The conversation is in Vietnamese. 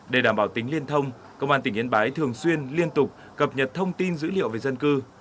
để đảm bảo tính liên thông công an tỉnh yên bái thường xuyên liên tục cập nhật thông tin dữ liệu về dân cư